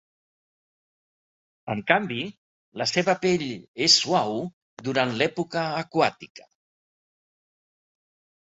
En canvi, la seva pell és suau durant l'època aquàtica.